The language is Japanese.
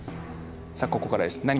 さあここからです。